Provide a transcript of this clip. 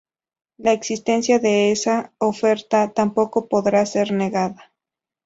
La existencia de esa oferta tampoco podrá ser negada.